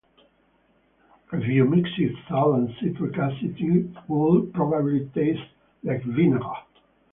If you mixed salt and citric acid it would probably taste like vinegar.